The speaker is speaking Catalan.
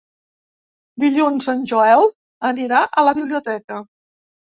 Dilluns en Joel anirà a la biblioteca.